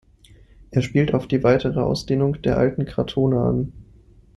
Er spielt auf die weitere Ausdehnung der alten Kratone an.